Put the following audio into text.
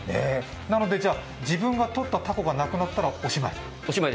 なので、自分が捕ったたこがなくなったらおしまい？